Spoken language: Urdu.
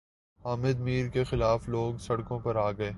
حامد میر کے خلاف لوگ سڑکوں پر آگۓ